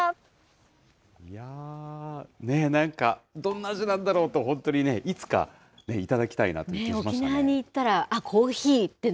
いやー、ねぇ、なんか、どんな味なんだろうと、本当にね、いつか頂きたいなという気しましたね。